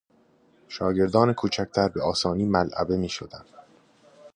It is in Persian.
شاگردان کوچکتر به آسانی ملعبه میشدند.